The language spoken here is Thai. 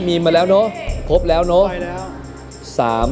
มีมาแล้วเนอะครบแล้วเนอะ